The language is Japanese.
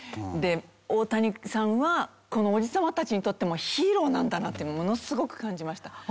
で大谷さんはこのおじ様たちにとってヒーローなんだなっていうのをものすごく感じました。